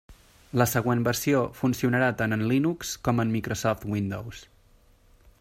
La següent versió funcionarà tant en Linux com en Microsoft Windows.